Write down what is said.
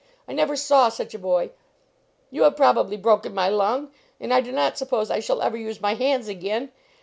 I never saw such a boy. You have probably broken my lung. And I do not suppose I shall ever use my hands again.